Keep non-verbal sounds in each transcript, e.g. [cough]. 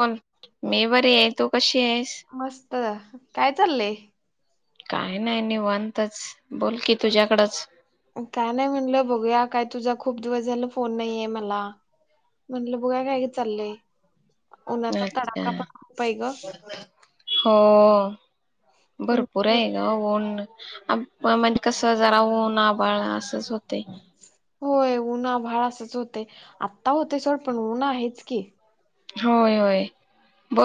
कोन, मी बरी हाय. तु कशी कशी आहेस. [unintelligible] काय चाललंय? काही नाही. निवानतच बोल की तुझ्याकडच. काय नाही म्हणलं, बघूया काय? तुझा खूप दिवस झाला फोन नाहीये मला, म्हंनलं बगुया काय चाललंय? उन्हाचा अच्छा! तडाखा पण खूप आहे ग हो भरपूर तुमच्याकडे आहे ग ऊन. अ म्हणजे कस जरा ऊन आभाळ असच हो तय. होय उन्ह आभाळ असचं होतय. आत्ता होते सोड पण उन्ह आहेच की? होय, होय.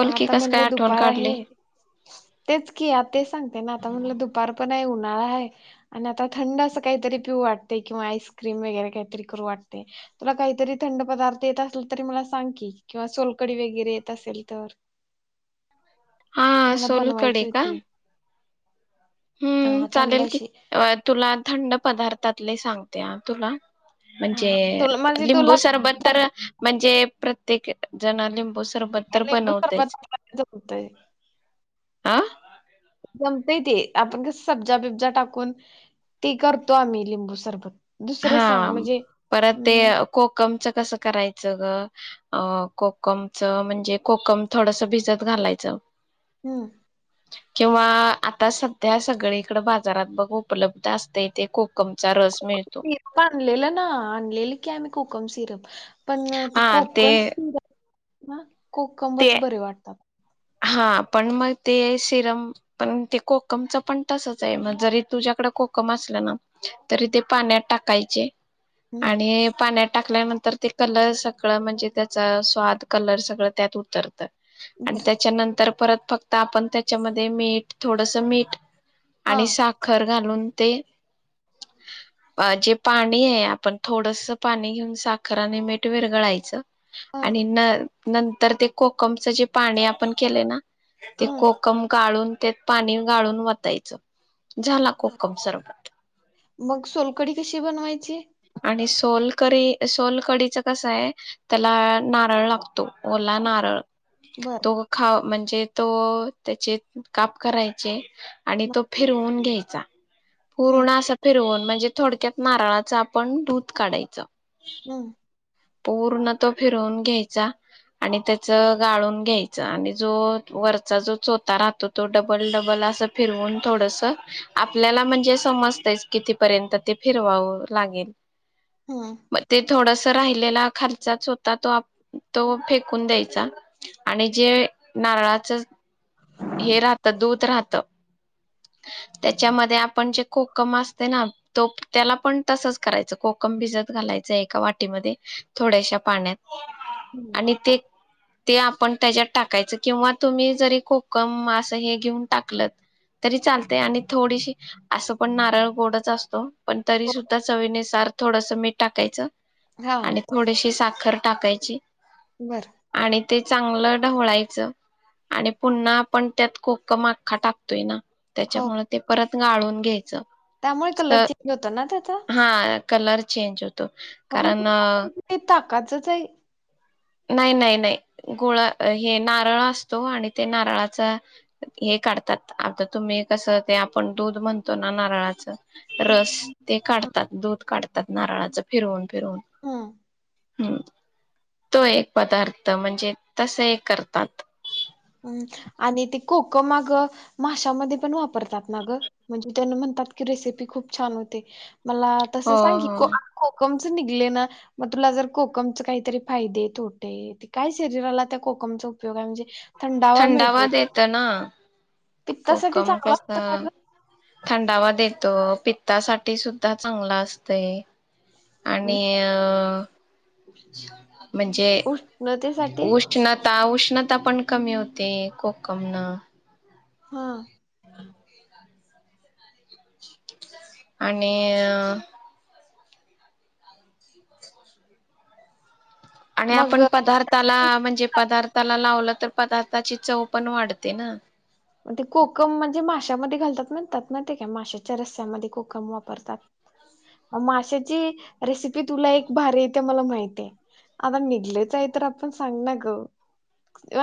मग आता कस काय म्हणले आठवण दुपार काढली? आहे तेच की आता ते सांगते ना, आता म्हणलं दुपार पण आहे उन्हाळा आहे. आणि आता थंड असं काहीतरी पिऊ वाटतय किंवा आईस्क्रीम वगैरे काहीतरी करू वाटतय. तुला काहीतरी थंड पदार्थ येत असल तरी मला सांग की किंवा सोलकडी वगैरे येत असेल. तर. हा मला सोलकडी बनवायची का? होती अ हम्म थंड चालेल की, अशी तुला थंड पदार्थ त्यातले सांगते हा तुला. म्हणजे, हां तुला म्हणजे तुला लिंबू सरबत करता तर येते म्हणजे प्रत्येक ज्याना लिंबू सरबत का? तर लिंबू सरबत बनवतेच. आपल्याला जमतंय. आं. जमतय ते, आपण कस सब्जा बिब्जा टाकून ते करतो आम्ही लिंबू सरबत. दुसरं सांग हां म्हणजे परत ते अं कोकम च कसं करायचं ग, अं कोकमच म्हणजे कोकम थोडस भिजत घालायचं. हम्म. किंवा, आता सध्या सगळीकड बाजारात बघ उपलब्ध असते ते कोकमचा रस. मिळतो. काणलेलं ना आणलेलं की आम्ही कोकम सिरप. पण ते कोकण सिरप वा ते कोकमच बरे वाटतात. हा पण मग ते सिरम पण ते कोकमचं पण तसच हाय, मग जरी तुझ्याकडे कोकम असलं ना तरी ते पाण्यात टाक कायचे हं आणि पाण्यात टाकल्यानंतर ते कलर सगळं म्हणजे त्याचा स्वाद कलर सगळं त्यात उतरतं. [inaudible] तर परत फक्त आपण त्याच्यामध्ये मीठ थोडस मीठ आणि हां साखर घालून ते अ जे पाणी ये आपण थोडसं पाणी घेऊन साखर आणि मीठ विरगळायचं. हां आणि ना नंतर ते कोकमचं जे पाणी आपण केलय ना ते हं. कोकम गाळून त्यात पाणी गाळून वतायचं. झाला कोकम सरबत. मग सोलकडी कशी बनवायची? आणि सोलकरी सोलकढीच कसं आहे त्याला नारळ लागतो. ओला नारळ बरं तो खाव म्हणजे तो त्याचे काप करायचे. आणि तो फिरवून घ्याय चा हं पूर्ण असा फिरवून म्हणजे थोडक्यात नारळाचा आ पण दूध काढायचं. हम्म पूर्ण तो फिरवून घ्यायचा आणि त्याचं गाळून घ्यायचं आणि जो वरचा जो चोथ राहतो तो डबल डबल असं फिरवून थोडस आपल्याला म्हणजे समजतच कितीपर्यंत ते फिरवावं लागेल. हं म ते थोडस राही खर्चाच होता तो तो फेकून द्यायचा आणि जे नारळाच हे राहत दूध राहत त्याच्यामध्ये आपण जे कोकम असते ना तो त्याला पण तसच करायचं कोकम भिजत घालायचं एका वाटीमध्ये थोड्याश्या पाण्यात हं. आणि ते ते आपण त्याच्यात टाकायच किंवा तुम्ही जरी कोकमअसं हे घेऊन टाकल तरी चालते आणि थोडीशी असं पण नारळ गोडच असतो. पण तरी सुद्धा चवीनुसार थोडस मीठ टाकायचं. हां, आणि थोडीशी साखर. खर टाकायची. बरं. आणि ते चांगलं ढवळायचं आणि पुन्हा आपण त्यात खूप कोकम अख्खा टाकतोय ना. हो. त्याच्यामुळे ते परत गाळून घ्यायचं. त्यामुळे तर कलर चेंज होतो ना त्याचा. हा कलर चेंज होतो. कारण काच च आहे नाही नाही नाही गोळा हे नारळ असतो आणि ते नारळाचा हे काढतात आता तुम्ही कसं ते आपण दूध म्हणतो ना नारळाचं. हं, रस ते काढतात दूध काढतात. नारळाचं फिरवून फिरवून हा हो तो एक पदार्थ म्हणजे तस एक करतात. म् आणि ते कोकम आग माशामध्ये पण वापरतात ना ग म्हणजे त्यांना म्हणतात की रेसिपी खूप छान होते. मला हो तसं सांग की हो निघले ना मग तुला जर कोकम च काहीतरी फायदेे तोटे काय शरीराला त्या कोकमचा उपयोग आहे म्हणजे. थंडावा देत ना. पिक्तासाठी कोकम चांगला कस असत का ग? थंडावा देतो पित्तासाठी सुद्धा चांगला असतय. गं? आणि म्हणजे उष्णतेसाठी? उष्णता उष्णता पण कमी होते कोकम न. हा आणि आणि मग आपण पदार्थाला म्हणजे पदार्थाला लावलं तर पदार्थाची चव पण वाढते ना. ते कोकम म्हणजे माशामध्ये घालतात म्हणतात ना, ते काय माशाच्या रस्स्यामध्ये कोकम वापरतात, माशाची रेसिपी तुला एक भारी इथे मला माहती, आता निघलेच आहे तर आपण सांग ना ग.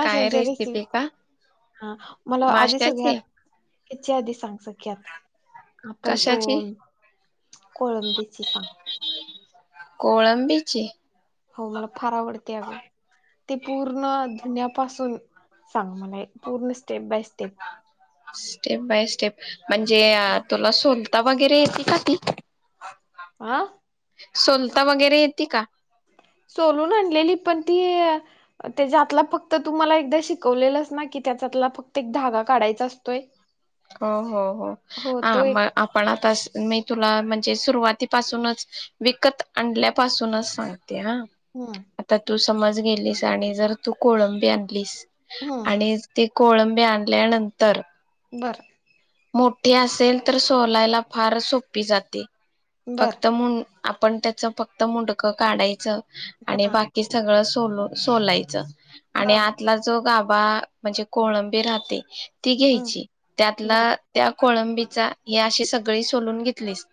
काय रेसिपी का हा वो मला आधी माश्याची सगळ्यात याच्या आधी सांग सगळ्यात आपण तो कशाची कोळंबीची सांग. कोळंबीची. हो मला फार आवडते, अगं. ते पूर्ण दधुन्यापासून सांग मला पूर्ण स्टेप बाय से स्टेप बाय स्टेप म्हणजे तुला सोल ता [unintelligible] गैरे येते का ती आह. सोलता वगैरे येते का, सोलून आणलेली. पण ती त्याच्यातला फक्त तुमला एकदा शिकवलेलंस ना की, त्याच्यातला फक्त एक धागा काढायचा असतोय. हो हो हो हो ह तो एक मग आपण आता. मी तुला म्हणजे, सुरुवातीपासूनच विकत आणल्यापासूनच सांग ते हा हम्म आता तू समज गेलीस आणि जर तू कोळंबी आणलीस. हम्म आणि ज ते. कोळंबी आणल्यानंतर. बरं मोठी असेल तर सोलायला फार सोपी जाते. बर फक्त मुून आपण त्याचं फक्त मुडकं काढायचं. आणि हा बाकी सगळं सू सोलो सोलायचं. हा आणि आतला जो गा बा म्हणजे कोळबी राहते. ती हम्म घ्यायची बर त्यातला त्या कोळंबीचा हे अशी सगळी सोलून घेतलीस.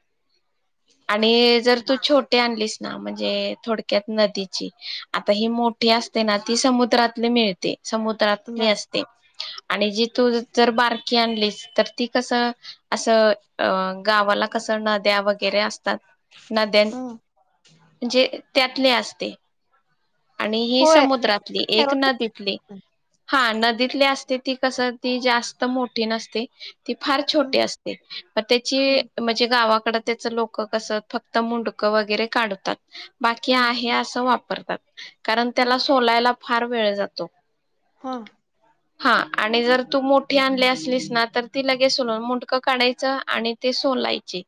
आणि जर तू छोटे आणलीस. ना म्हणजे थोडक्यात नदीची, आता ही मोठी असते ना ती समुद्रातली मिळते. समुद्रातले बर असते. आणि जी तू जर बारकी आणलीस तर. ती कसं असं अ गावाला कसं नद्या वगैरे अस ना नद्या हम्म म्हणजे. त्यातलेच असते. आणि ही होय समुद्रातील एक नदीतील. हा नदीतली असते ती कास, ती जास्त मोठी नसते, होय. ती फार छोटी हम्म असते, मग हम्म तेचा म्हणजे गावा त्याच लोकं कसं फक्त मुंडकं वगैरे काढतात? बाकी आहे, असं वापर. कारण हम्म त्याला बर सोलायला. फार वेळ जातो. हा. हा आणि जर तू मोठी आणले असलीस ना तर ती लगेच स मुंटकं काढायचं आणि ते सोलायचे.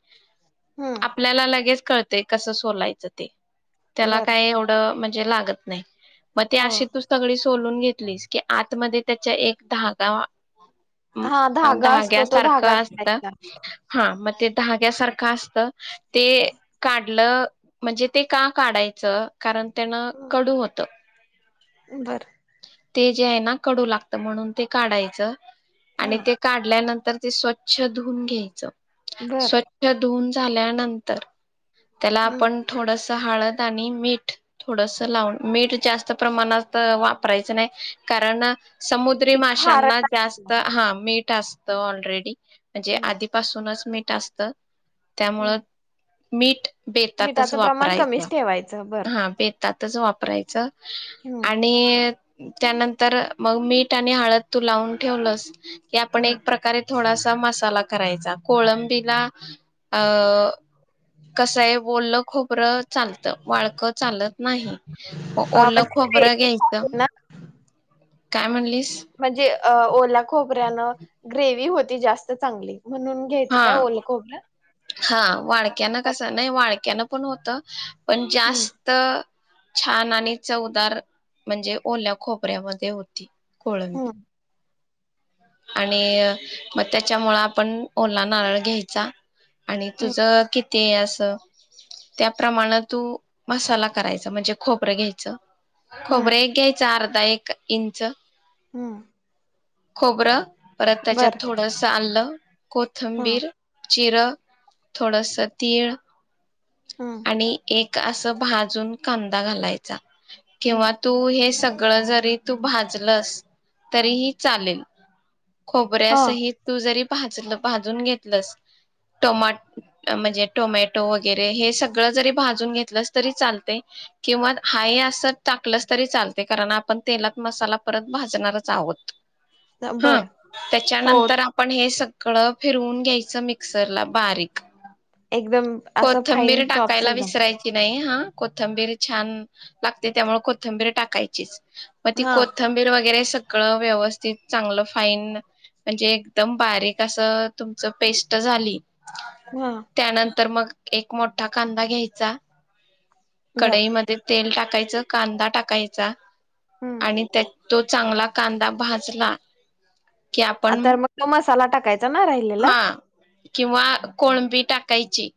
हम्म आपल्याला लगेच. कळतय, कसं सोलायचं ते. त्याला बर काय एवढं लागत नाही. मग ते हो अशे तू सगळी. सोलून घेतलीस की आतमध्ये त्याचा एक भाग हा असतो. धागा तो धाग्यासारखं धागा असतं, काढायचा हा मग ते धाग्यासारखंच असतं. ते काढलं म्हणजे ते का काढायचं, कारण. त्यांना कडू होतं बरं. ते जे आहे ना, कडू लागतं म्हणून ते काढायचं. हा आणि ते काढल्यानंतर. ते स्वच्छ धुवून घ्यायचे. बर स्वच्छ धुऊन. झाल्यानंतर. त्याला हम्म आपण थोडंसं. हळद आणि मीठ थोडंसं लावून, मीठ जास्त प्रमाणात वापरायचं. प्रायच नाही, कारण. समुद्री ती माशांना खारट असते. जास्त हा मीठ. असतो, ऑलरेडी. म्हणजे हम्म आधीपासूनच मी. असत. त्यामुळं हम्म मीठ बेतातच मिठाचं प्रमाण कमीच ठेवायचं. बर तातच वापरायचं. हम्म आणि त्यानंतर मग मीठ आणि हळद तू लावून ठेवलंस की आपण हम्म एक प्रकारे थोडासा मसाला करायचा. कोळंबीला अ कसय ओलं खोबरं चाल वाळकं चालत नाही. व अ ओलं म्हणजे खोबरं ग्रेव्ही घ्यायचं आहे ना काय म्हणलीस, म्हणजे, अ ओला खोबऱ्यान ग्रेवी होत ती जास्त चांगली. म्हणून घ्यायचं हा काय ओलखोबर हा वाळक् वाळक्यान कस नाही वाळक्यान पण होत पण हम्म जास्त छान आणि चवदार म्हणजे ओल्या खोबऱ्यामध्ये होती. कोळंबी हम्म आणि म त्याच्यामुळ आपण ओला नारळ घ्यायचा. आणि तुझं कि ते अस त्याप्रमाण तू मसाला करायचा म्हणजे खोबरं घ्यायचं. खोबरं हम्म एक घ्यायचं आर धा एक इंच हूं खोबरं परत त्याच्यात थोडंस आलं [inaudible] हा कोथंबीर जिरं, थोडासा तीळ हम्म आणि एक असं भाजून कांदा घालायचा किंवा हम्म तू हे सग सगळं जरी तू भाजलस तरीही चालेल. हा खोबऱ्यासही तू जरी भाजलं भाजून घेतलंस टमाट म्हणजे टोमॅटो वगैरे हे सगळं जरी भाजून घेतलंस तरी चालते किंवा हाय असं टाकलंस तरी चालते कारण आपण तेलात मसाला परत भाजणारच आहोत. हा बर हो त्याच्यानंतर आपण हे सग कळं फिरवून घ्यायचं मिक्सरला बारीक एकदम असं फाईन कोथंबीर चॉप्स टाकायला एकदम विसरायची नाही. हा कोथंबीरी छान लागते त्यामुळे कोथंबीरी टाकायचीच. मग ती हा कोथंबीर वगैरे सग गळं व्यवस्थित चांगलं फाईन म्हणजे एकदम बारीक असं तुमच पेस्ट झाली हा त्यानंतर मग एक मोठा कांदा घ्यायचा बर कडाईमध्ये तेल टाक कायचा कांदा टाकायचा हम्म आणि त्या तो चांगला कांदा भाजला कि आपण आता मग तो मसाला टाकायचा ना राहिलेला हा किंवा कोळंबी टाक कैची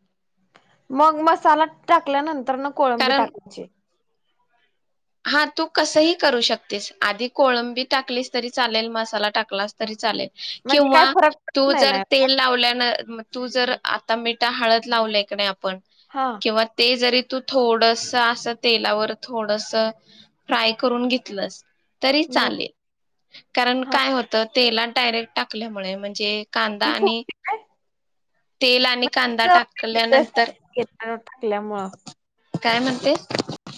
मग मसाला टाकल्यानं तर ना कोळंबी कारण टाकायची. हा तू कसही करू शकतेस आधी कोळंबी टाकलीस तरी चालेल, मसाला टाकलास तरी चालेल. म्हणजे किंवा काय फरक पडत तू नाही जर ना तेल लावल्या ना मग तू जर आता मीठा, हळद लावलाय क नाय आप पण हा किंवा ते जरी तू थोडा सा असं तेलावर थोड सा फ्राय करून घीतलंस तरी बर चालेल कारण हा काय होतं तेलात डायरेक्ट टाकल्यामुळे म्हणजे कांदा ती आणि फुगते काय तेल आणि कांदा टाकल्यानंतर टकल्यामुळं काय म्हणतेस?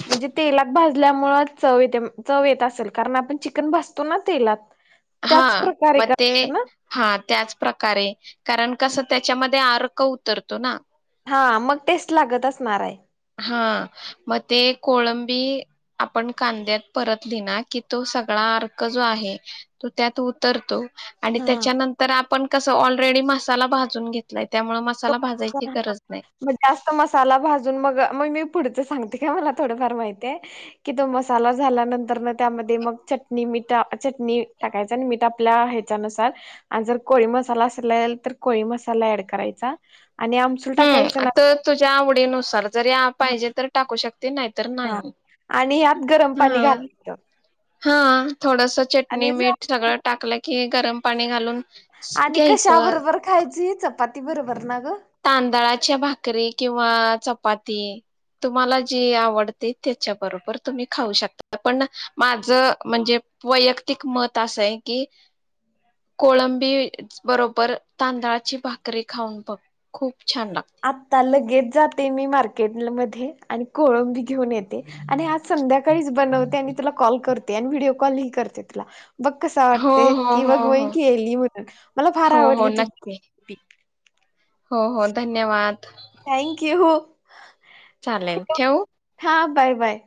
म्हणजे तेलात भाजल्यामुळे चव येते चव येत असेल कारण आपण चिकन भजतो ना तेलात. हा त्याच प्रकारे मग ते करते ना हा त्याच प्रकारे कारण कसं त्याच्यामध्ये आर क उतरतो ना. हा मग टेस्ट लागत असणार हाय. हा मग ते कोळंबी आपण कांद्यात परतली ना की तो सगळा अर्क जो आहे तो त्यात उतरतो आणि हा त्याच्यानंतर आप पण कस ऑलरेडी मसाला भाजून घेतलाय त्यामुळ मस् मग जास्त मसाला भाजून मग मग मी पुढच सांगते काय मला थोडंफार माहिताय की तो मसाला झाल्यानंतरन त्यामध्ये मग चटणी मिट चटणी टाकायचा आणि मीट आपला ह्याच्यानुसार आण जर कोळी मसाला असलेल तर कोळी मसाला ऍड करायचा आणि आमसूल हम्म टाकायचं आत ना तुज्या आवडीनुसार जरी त्या पाहिजे तर टाकू शकते न्हाय हा आणि ह्यात गरम पाणी घाल हां. हां. थोडस चटणी मीट सगळं टाकलं की हे गरम पाणी घालून स- आणि कशा घ्यायचं. बरोबर खायची? चपात् ती बरोबर ना गं? तांदळाच्या भाकरी किंवा चपाती तुम्हाला जे आवडत त्याच्या बरोबर तुम्ही खाऊ शकता पण माज म्हणजे वैयक्तिक मत असंय की कोळंबी बरोबर तांदळाची भाकरी खाऊन बघ. खूप छान लागते आत्ता लगेच जाते मी मार् केदल मध्ये आणि कोळंबी घेऊन येते आणि आज संध्याकाळीच बनवते आणि तुला कॉल करते आणि व्हिडिओ कॉल ही करते तुला बघ कस हो वाटतय हो की बघ हो मी हो केली म्हणून मला फार हो हो आवडली तु नक्की [unintelligible] हो हो धन्यवाद. Thank you. चालेल ठेउ? हा बाय बाय.